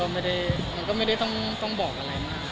มันก็ไม่ได้ต้องบอกอะไรมาก